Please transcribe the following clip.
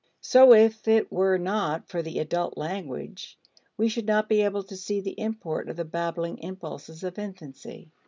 So if it were not for adult language, we should not be able to see the import of the babbling impulses of infancy.